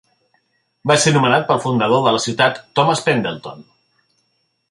Va ser nomenat pel fundador de la ciutat, Thomas Pendleton.